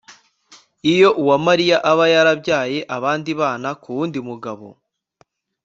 iyo uwamariya aba yarabyaye abandi bana k'uwundi mugabo